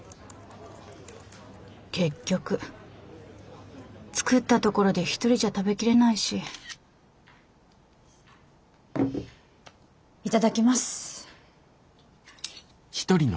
結局作ったところで一人じゃ食べきれないしいただきます。